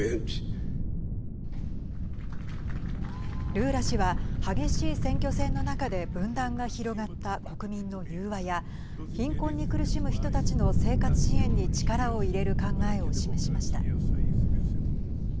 ルーラ氏は激しい選挙戦の中で分断が広がった国民の融和や貧困に苦しむ人たちの生活支援に力を入れる考えを示しました。